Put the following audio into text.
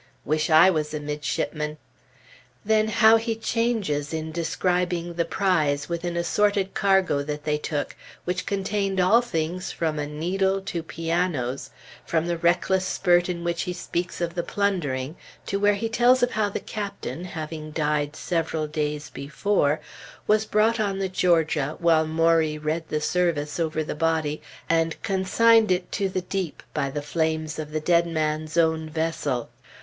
Wish I was a midshipman! Then how he changes, in describing the prize with an assorted cargo that they took, which contained all things from a needle to pianos, from the reckless spurt in which he speaks of the plundering, to where he tells of how the Captain, having died several days before, was brought on the Georgia while Maury read the service over the body and consigned it to the deep by the flames of the dead man's own vessel.